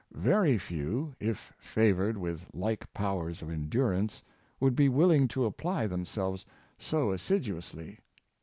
Very few, if favored with like powers of endurance, would be willing to apply them selves so assiduously.